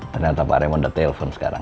ternyata pak raymond udah telepon sekarang